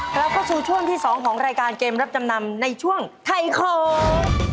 กลับเข้าสู่ช่วงที่๒ของรายการเกมรับจำนำในช่วงไทยของ